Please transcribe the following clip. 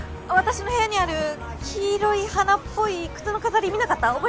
私の部屋にある黄色い花っぽい靴の飾り見なかった？